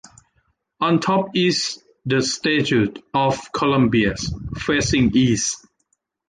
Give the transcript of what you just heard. On top is the statue of Columbia, facing east.